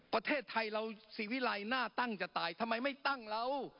ประเทศไทยเราศรีวิรัยหน้าตั้งจะตายทำไมไม่ตั้งเรา